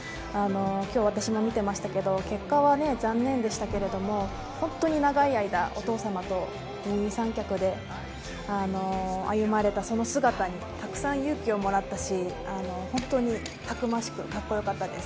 今日、私も見てましたけど結果は残念でしたけれども本当に長い間お父様と二人三脚で歩まれた、その姿にたくさん勇気をもらったし本当にたくましく格好良かったです。